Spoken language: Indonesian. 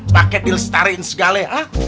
pake dilestarikan segala ya ha